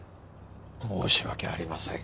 申し訳ありません。